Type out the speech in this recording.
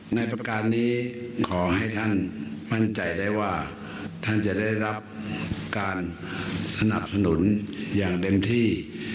ประการนี้ขอให้ท่านมั่นใจได้ว่าท่านจะได้รับการสนับสนุนอย่างเต็มที่